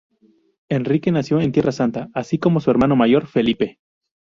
Enrique nació en Tierra Santa, así como su hermano mayor, Felipe.